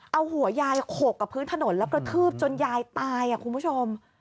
เอาหัวยายโขกกับพื้นถนนแล้วกระทืบจนยายตายคุณผู้ชม